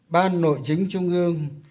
ban nội chính trung ương